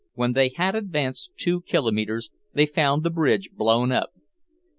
When they had advanced two kilometers, they found the bridge blown up.